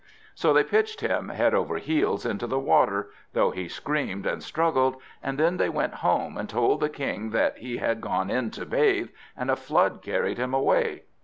So they pitched him head over heels into the water, though he screamed and struggled, and then they went home and told the King that he had gone in to bathe, and a flood carried him away.